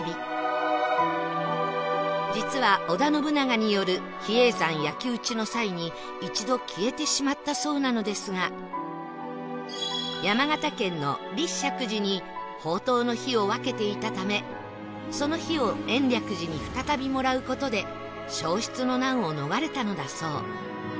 実は織田信長による比叡山焼き討ちの際に一度消えてしまったそうなのですが山形県の立石寺に法灯の火を分けていたためその火を延暦寺に再びもらう事で消失の難を逃れたのだそう